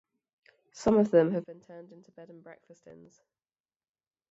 Some of them have been turned into bed and breakfast inns.